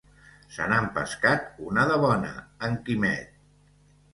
Se n'ha empescat una de bona, en Quimet!